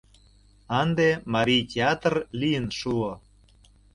Ынде Марий театр лийын шуо.